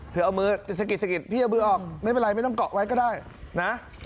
เอามือจะสะกิดสะกิดพี่เอามือออกไม่เป็นไรไม่ต้องเกาะไว้ก็ได้นะ